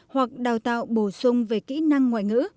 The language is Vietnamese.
hoặc đào tạo bổ sung về kỹ năng ngoại ngữ